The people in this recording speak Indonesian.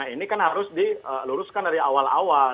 ini kan harus diluruskan dari awal awal